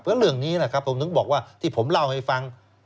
เพราะเรื่องนี้นะครับผมถึงบอกว่าที่ผมเล่าให้ฟัง